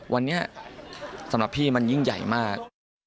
วันนี้สำหรับพี่มันยิ่งใหญ่มาก